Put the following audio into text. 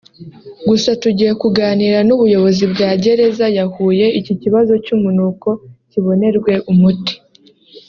Gusa tugiye kuganira n’ubuyobozi bwa Gereza ya Huye iki kibazo cy’umunuko kibonerwe umuti”